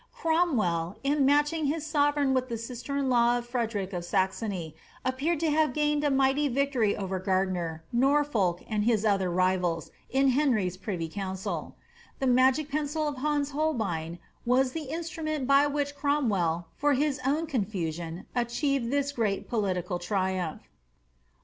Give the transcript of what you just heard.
Cromwell, in matching his sovereign with the sister in law of Frederick of Saxony, appeared to have gained a mighty victoiy over Gardiner, Norfolk, and his otlier rivals, in Henry ^a privy councii The magic pencil of Hans Holbein was the instrument by which Crom* well, for his own confusion, achieved this great political triumph.